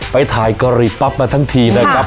ไปทายกะรี่ปั๊บมาทั้งทีนะครับครับ